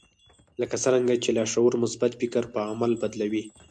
لکه څرنګه چې لاشعور مثبت فکر پر عمل بدلوي.